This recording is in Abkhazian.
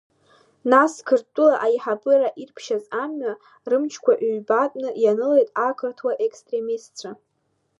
Нас, Қырҭтәыла аиҳабыра ирԥшьаз амҩа, рымчқәа ҩбатәны ианылеит ақырҭуа екстремистцәа.